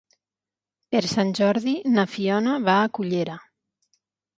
Per Sant Jordi na Fiona va a Cullera.